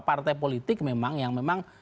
partai politik memang yang memang